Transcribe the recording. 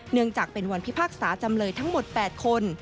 จากเป็นวันพิพากษาจำเลยทั้งหมด๘คน